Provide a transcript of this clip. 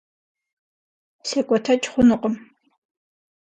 Секӏуэтэкӏ хъунукъым.